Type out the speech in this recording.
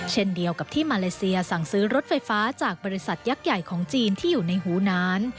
เช่นเดียวกับที่มาเลเซียสั่งซื้อรถไฟฟ้าจากบริษัทยักษ์ใหญ่ของจีนที่อยู่ในหูนาน